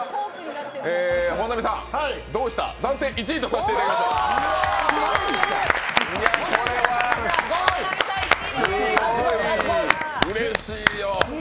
本並さん、「どうした」暫定１位とさせていただきましょううれしいよ。